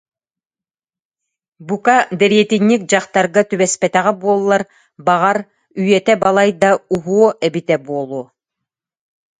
Бука, дэриэтинньик дьахтарга түбэспэтэҕэ буоллар, баҕар, үйэтэ балайда уһуо эбитэ буолуо